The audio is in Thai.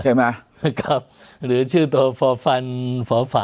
ใช่ไหมครับหรือชื่อตัวเฟาฝาอะไรแหละ